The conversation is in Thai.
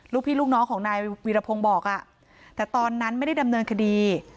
ลูกพี่ลูกน้องของนายวีรพงศ์บอกแต่ตอนนั้นไม่ได้ดำเนินคดี